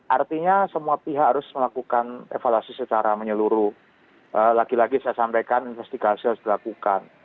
artinya semua pihak harus melakukan evaluasi secara menyeluruh lagi lagi saya sampaikan investigasi harus dilakukan